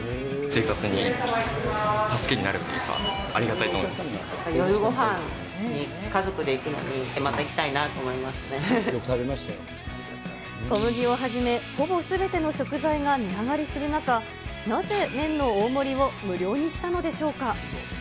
生活の助けになるというか、夜ごはんに家族で行くのに、小麦をはじめ、ほぼすべての食材が値上がりする中、なぜ麺の大盛りを無料にしたのでしょうか。